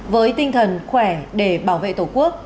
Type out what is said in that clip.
với tinh thần khỏe để bảo vệ tình trạng